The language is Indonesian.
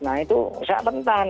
nah itu usah pentan